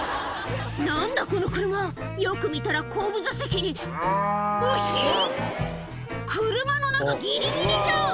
何だこの車よく見たら後部座席に牛⁉車の中ギリギリじゃん！